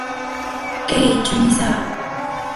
Keiichi Misawa